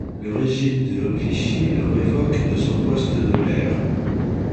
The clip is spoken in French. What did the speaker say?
Le régime de Vichy le révoque de son poste de maire.